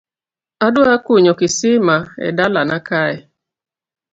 Adwa kunyo kisima e dala na kae